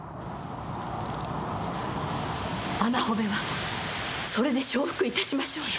穴穂部はそれで承服いたしましょうや。